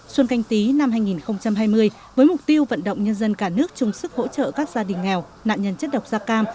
xuân canh tí năm hai nghìn hai mươi với mục tiêu vận động nhân dân cả nước chung sức hỗ trợ các gia đình nghèo nạn nhân chất độc da cam